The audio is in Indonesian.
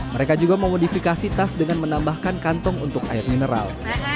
mereka juga memodifikasi tas dengan menambahkan kantong untuk air mineral